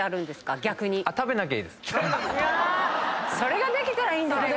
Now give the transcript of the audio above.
それができたらいいけど。